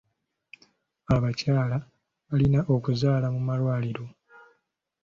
Abakyala balina okuzaalira mu malwaliro.